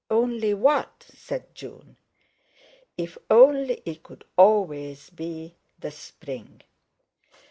"Only what?" said June. "If only it could always be the spring!"